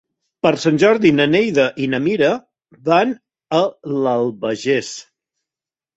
Per Sant Jordi na Neida i na Mira van a l'Albagés.